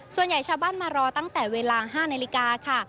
ชาวบ้านมารอตั้งแต่เวลา๕นาฬิกาค่ะ